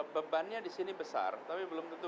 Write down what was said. bebannya di sini besar tapi belum tentu